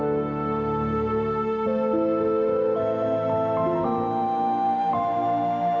aku ingin menebus tuhan